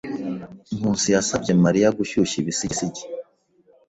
Nkusi yasabye Mariya gushyushya ibisigisigi.